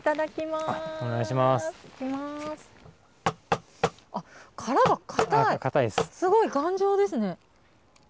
すごい頑丈ですね。